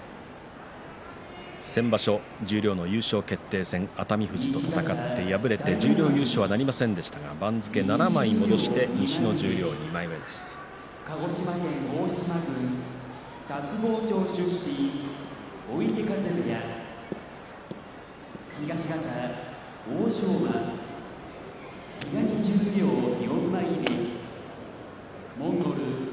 先場所、十両の優勝決定戦熱海富士と戦って敗れて十両優勝は、なりませんでしたが番付７枚戻して西の２枚目、大奄美。